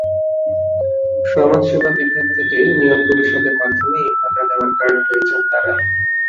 সমাজসেবা বিভাগ থেকে ইউনিয়ন পরিষদের মাধ্যমে এই ভাতা নেওয়ার কার্ড পেয়েছেন তাঁরা।